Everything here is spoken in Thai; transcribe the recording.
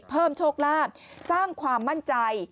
เพิ่มโชคลาภสร้างความมั่นใจ